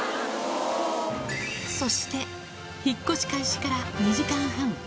そして、引っ越し開始から２時間半。